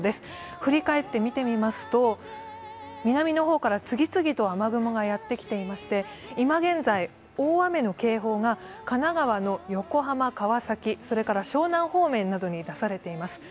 振り返って見てみますと南の方から次々と雨雲がやってきていまして今現在、大雨の警報が神奈川の横浜、川崎湘南方面などに出されています。